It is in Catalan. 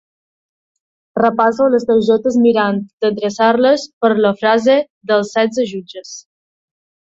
Repasso les targetes mirant d'endreçar-les per la frase dels setze jutges.